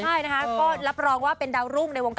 ใช่นะคะก็รับรองว่าเป็นดาวรุ่งในวงการ